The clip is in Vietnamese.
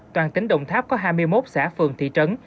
toàn tỉnh đồng tháp có hai mươi một xã phường thị trấn